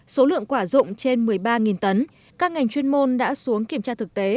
số lượng quả dụng trên một mươi ba tấn các ngành chuyên môn đã xuống kiểm tra thực tế